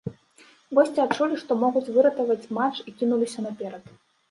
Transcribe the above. Госці адчулі, што могуць выратаваць матч і кінуліся наперад.